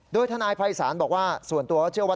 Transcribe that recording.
โดยทนายภัยศาลบอกว่าส่วนตัวก็เชื่อว่า